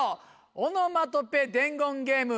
オノマトペ伝言ゲーム。